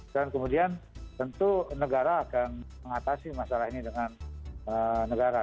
dan kemudian tentu negara akan mengatasi masalah ini dengan negara